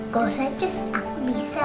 gausah cus aku bisa